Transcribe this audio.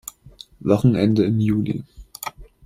Wochenende im Juli.